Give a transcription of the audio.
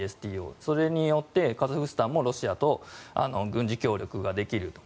それによってカザフスタンもロシアと軍事協力ができると。